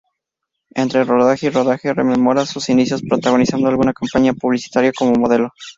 Entre rodaje y rodaje, rememora sus inicios protagonizando alguna campaña publicitaria como modelo.